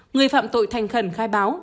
người phạm tội thành khẩn khai báo